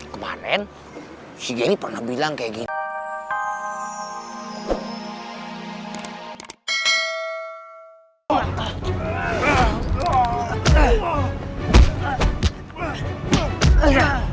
kemaren si jenny pernah bilang kayak gini